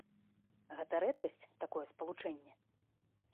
Гэта рэдкасць, такое спалучэнне!